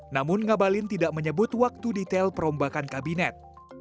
namun ngabalin tidak menyebut waktu detail perombakan kabinet